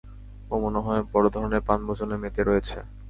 ও মনে হয় বড় ধরণের পানভোজনে মেতে রয়েছে।